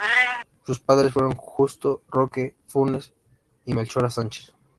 Sus padres fueron Justo Roque Funes y Melchora Sánchez.